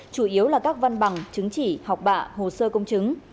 chủ yếu là các văn bằng chứng chỉ học bạ hồ sơ công chứng